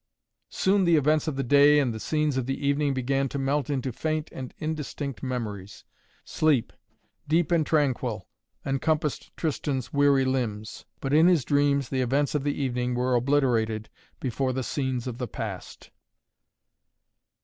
Soon the events of the day and the scenes of the evening began to melt into faint and indistinct memories. Sleep, deep and tranquil, encompassed Tristan's weary limbs, but in his dreams the events of the evening were obliterated before scenes of the past.